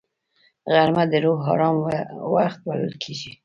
غرمه د روح آرام وخت بلل کېږي